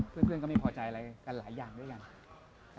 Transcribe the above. เพื่อนก็ไม่พอใจอะไรกันหลายอย่างด้วยกัน